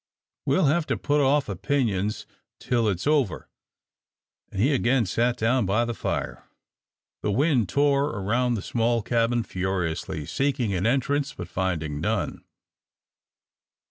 "We'll hev to put off opinions till it's over," and he again sat down by the fire. The wind tore around the small cabin, furiously seeking an entrance, but finding none.